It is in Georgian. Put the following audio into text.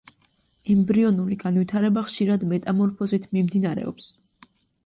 ემბრიონული განვითარება ხშირად მეტამორფოზით მიმდინარეობს.